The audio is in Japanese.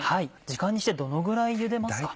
時間にしてどのぐらいゆでますか？